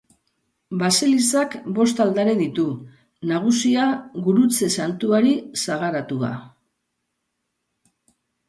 Baselizak bost aldare ditu, nagusia Gurutze Santuari sagaratua.